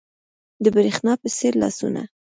د برېښنا په څیر لاسونه